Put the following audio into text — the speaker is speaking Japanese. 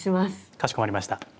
かしこまりました。